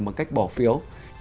bằng cách bỏ phiếu